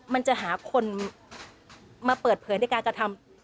มันจะหาคนมาเปิดเผยในการกระทำ